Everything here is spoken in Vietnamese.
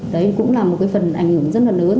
đấy cũng là một cái phần ảnh hưởng rất là lớn